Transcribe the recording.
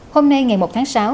hôm nay ngày một tháng sáu